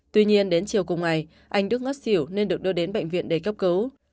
tuy nhiên đến chiều cùng ngày anh đức ngất xỉu nên được đưa đến bệnh viện đầy cấp cứu